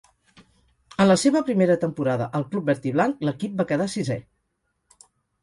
En la seva primera temporada al club verd-i-blanc l'equip va quedar sisè.